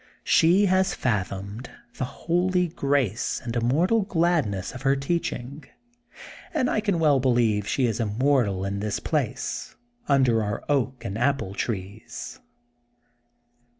She has fathomed the holy grace and immortal gladness of her teaching, and I can well believe she is immortal in this place, under our oak and apple trees.